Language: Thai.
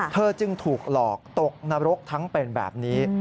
เธอจึงถูกหลอกตกนรกทั้งเป็นแบบนี้